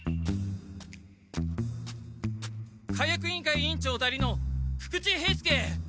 火薬委員会委員長代理の久々知兵助！